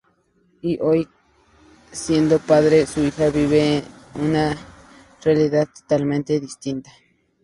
Y que hoy siendo padre, sus hijas viven una realidad totalmente distinta.